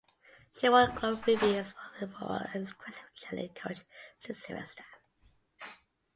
She won glowing reviews for her role as the aggressive cheerleading coach, Sue Sylvester.